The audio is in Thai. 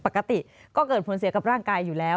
ปกติก็เกิดผลเสียกับร่างกายอยู่แล้ว